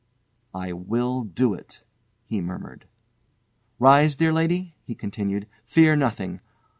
"I will do it," he murmured. "Rise dear lady," he continued. "Fear nothing.